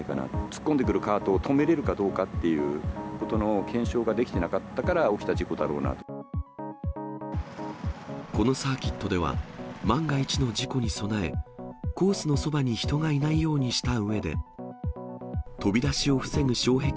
突っ込んでくるカートを止めれるかどうかという検証ができてなかこのサーキットでは、万が一の事故に備え、コースのそばに人がいないようにしたうえで、飛び出しを防ぐ障壁